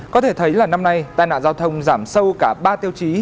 có thể thấy là năm nay tai nạn giao thông giảm sâu cả ba tiêu chí